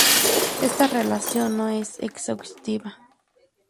Esta relación no es exhaustiva.